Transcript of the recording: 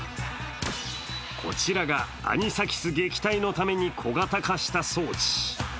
こちらがアニサキス撃退のために小型化した装置。